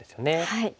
はい。